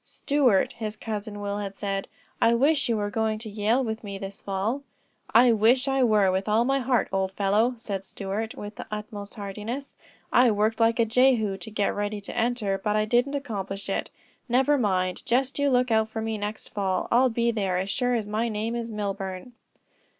"Stuart," his Cousin Will said, "I wish you were going to Yale with me this fall." "I wish I were, with all my heart, old fellow," said Stuart, with the utmost heartiness. "I worked like a Jehu to get ready to enter, but I didn't accomplish it; never mind, just you look out for me next fall. I'll be there as sure as my name is Milburn."